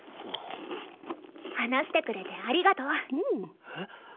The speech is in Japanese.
話してくれてありがとう。え？